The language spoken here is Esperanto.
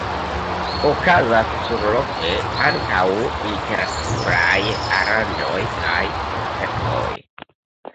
Okazas surloke ankaŭ literaturaj aranĝoj kaj koncertoj.